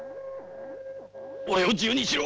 俺を自由にしろ！